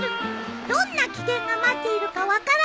どんな危険が待っているか分からない。